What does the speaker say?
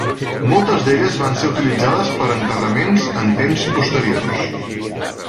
Moltes d'elles van ser utilitzades per a enterraments en temps posteriors.